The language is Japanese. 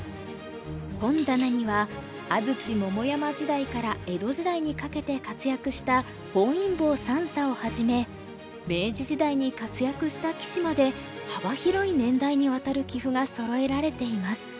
本棚には安土桃山時代から江戸時代にかけて活躍した本因坊算砂をはじめ明治時代に活躍した棋士まで幅広い年代にわたる棋譜がそろえられています。